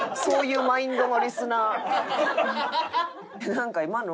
なんか今の。